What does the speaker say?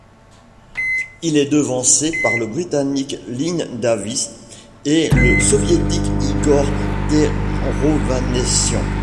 Il est devancé par le Britannique Lynn Davies et le Soviétique Igor Ter-Ovanessian.